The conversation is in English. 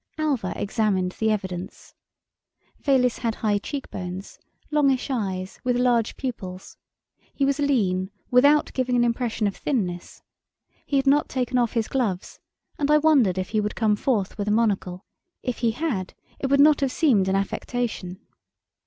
Alva examined the evidence. Fayliss had high cheekbones, longish eyes, with large pupils. He was lean, without giving an impression of thinness. He had not taken off his gloves, and I wondered if he would come forth with a monocle; if he had, it would not have seemed an affectation.